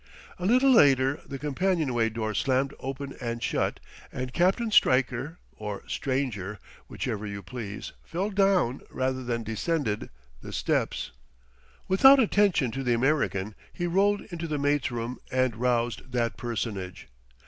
A little later the companion way door slammed open and shut, and Captain Stryker or Stranger; whichever you please fell down, rather than descended, the steps. Without attention to the American he rolled into the mate's room and roused that personage.